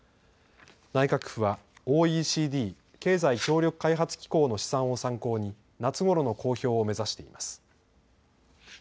内閣府はＯＥＣＤ・経済協力開発機構の試算を参考に夏ごろの公表を目指しています。